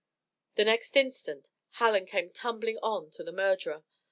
The next instant Hallen came tumbling on to the murderer.